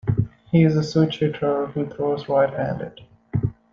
He is a switch-hitter who throws right-handed.